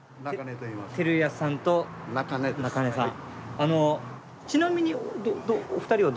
照屋さんと中根さん。